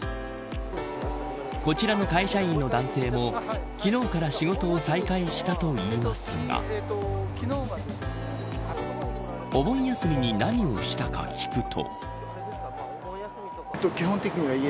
こちらの会社員の男性も昨日から仕事を再開したといいますがお盆休みに何をしたか聞くと。